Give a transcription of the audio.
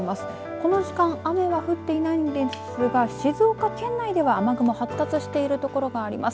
この時間、雨は降っていないのですが静岡県内では雨雲発達している所があります。